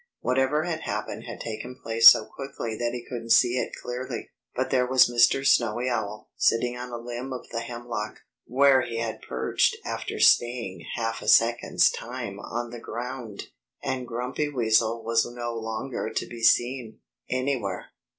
Whatever had happened had taken place so quickly that he couldn't see it clearly. But there was Mr. Snowy Owl, sitting on a limb of the hemlock, where he had perched after staying half a second's time on the ground. And Grumpy Weasel was no longer to be seen, anywhere.